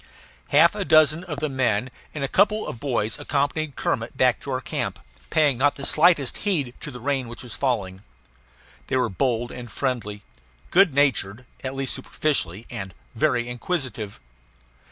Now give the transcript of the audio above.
Half a dozen of the men and a couple of boys accompanied Kermit back to our camp, paying not slightest heed to the rain which was falling. They were bold and friendly, good natured at least superficially and very inquisitive.